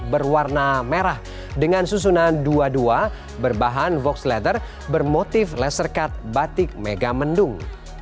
berwarna merah dengan susunan dua dua berbahan vox letter bermotif laser cut batik megamendung